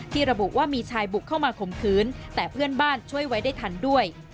ระบุว่ามีชายบุกเข้ามาข่มขืนแต่เพื่อนบ้านช่วยไว้ได้ทันด้วย